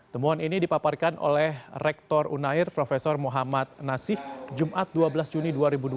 temuan ini dipaparkan oleh rektor unair prof muhammad nasih jumat dua belas juni dua ribu dua puluh